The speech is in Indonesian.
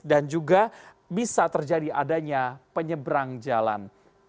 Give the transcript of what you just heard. dan juga bisa terjadi adanya penyeberang jalan